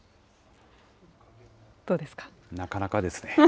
なかなかですね。